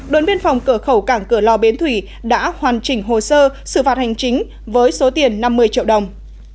đồn biên phòng cửa khẩu cảng cửa lò bến thủy đã hoàn chỉnh hồ sơ xử phạt hành chính với số tiền năm mươi triệu đồng